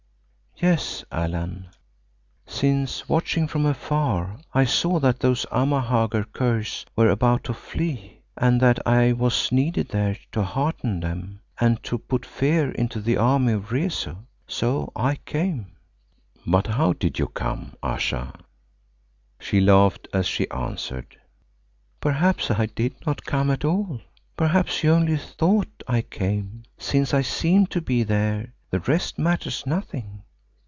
"Yes, Allan, since watching from afar, I saw that those Amahagger curs were about to flee and that I was needed there to hearten them and to put fear into the army of Rezu. So I came." "But how did you come, Ayesha?" She laughed as she answered, "Perhaps I did not come at all. Perhaps you only thought I came; since I seemed to be there the rest matters nothing."